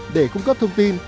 để cung cấp thông tin